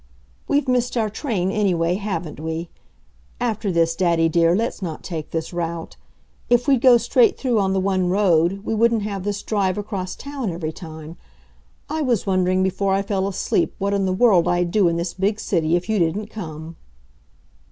"We've missed our train, anyway, haven't we? After this, daddy dear, let's not take this route. If we'd go straight through on the one road, we wouldn't have this drive across town every time. I was wondering, before I fell asleep, what in the world I'd do in this big city if you didn't come."